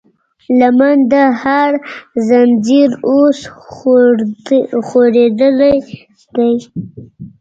لمن د هر زنځير اوس خورېدلی دی